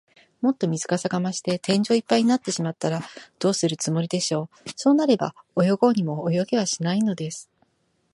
もっと水かさが増して、天井いっぱいになってしまったら、どうするつもりでしょう。そうなれば、泳ごうにも泳げはしないのです。